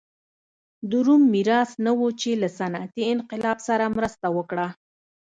د روم میراث نه و چې له صنعتي انقلاب سره مرسته وکړه.